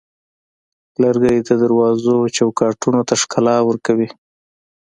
لرګی د دروازو چوکاټونو ته ښکلا ورکوي.